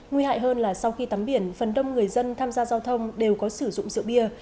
nguy hại hơn là sau khi tắm biển phần đông người dân tham gia giao thông đều có sử dụng rượu bia